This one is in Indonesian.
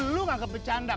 lo nganggep bercanda